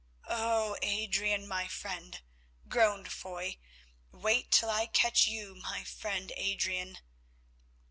"Oh! Adrian, my friend," groaned Foy, "wait till I catch you, my friend Adrian."